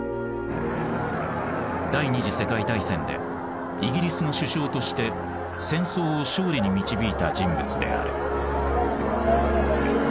第二次世界大戦でイギリスの首相として戦争を勝利に導いた人物である。